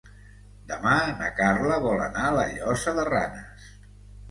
Demà na Carla vol anar a la Llosa de Ranes.